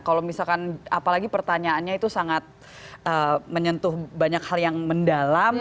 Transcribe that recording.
kalau misalkan apalagi pertanyaannya itu sangat menyentuh banyak hal yang mendalam